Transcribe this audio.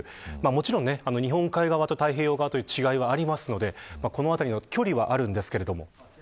もちろん、日本海側と太平洋側という違いはありますのでこのあたりの距離はありますが。